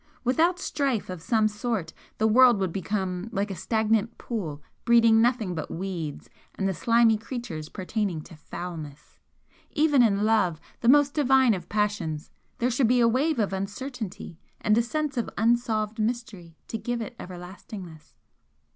Without strife of some sort the world would become like a stagnant pool breeding nothing but weeds and the slimy creatures pertaining to foulness. Even in love, the most divine of passions, there should be a wave of uncertainty and a sense of unsolved mystery to give it everlastingness."